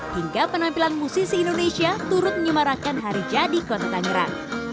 hingga penampilan musisi indonesia turut menyemarakan hari jadi kota tangerang